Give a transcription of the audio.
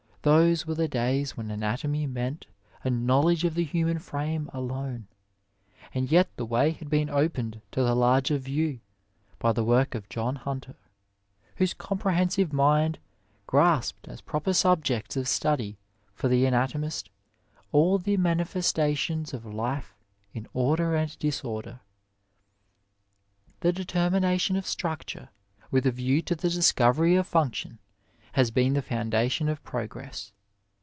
Those were the days when anatomy meant a knowledge of the human frame alone ; and yet the way had been opened to the larger view by the work of John Hunter, whose comprehensive mind grasped as proper subjects of study for the anatomist all the manifestations of life in order and disorder. The determination of structure with a view to the dis covery of function has been the foundation of progress.